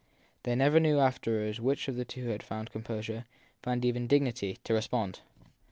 They never knew afterwards which of the two had first found composure found even dignity to respond.